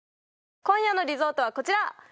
今夜のリゾートはこちら！